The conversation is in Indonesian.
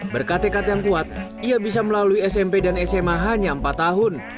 berkat tekat yang kuat ia bisa melalui smp dan sma hanya empat tahun